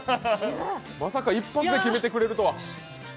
まさか一発で決めてくれるとは。